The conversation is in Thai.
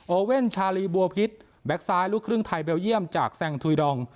เว่นชาลีบัวพิษแบ็คซ้ายลูกครึ่งไทยเบลเยี่ยมจากแซงทุยดอง